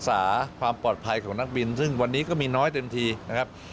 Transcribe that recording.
สาความปลอดภัยของนักบินซึ่งวันนี้ก็มีน้อยเต็มทีนะครับ